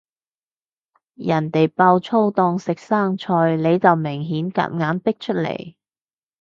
人哋爆粗當食生菜，你就明顯夾硬逼出嚟